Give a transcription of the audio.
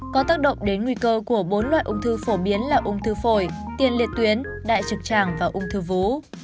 có tác động đến nguy cơ của bốn loại ung thư phổ biến là ung thư phổi tiền liệt tuyến đại trực tràng và ung thư vú